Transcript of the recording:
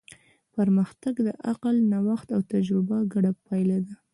پرمختګ د عقل، نوښت او تجربه ګډه پایله ده.